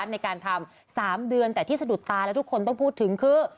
ในการทำ๓เดือนแต่ที่สะดุดตาและทุกคนต้องพูดถึงคือ